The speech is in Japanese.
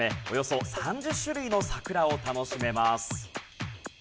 およそ３０種類の桜を楽しめます。